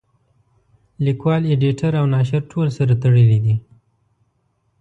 لیکوال اېډیټر او ناشر ټول سره تړلي دي.